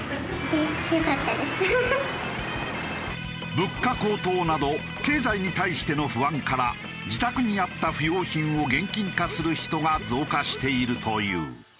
物価高騰など経済に対しての不安から自宅にあった不要品を現金化する人が増加しているという。